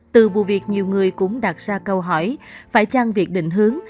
từ vụ việc nhiều người cũng đặt ra câu hỏi phải chăng việc định hướng